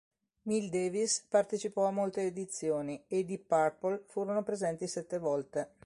Miles Davis partecipò a molte edizioni e i Deep Purple furono presenti sette volte.